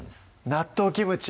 納豆キムチ